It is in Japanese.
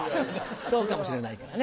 そうかもしれないからね。